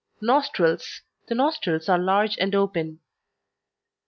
NOSTRILS The nostrils are large and open.